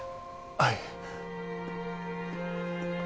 はい。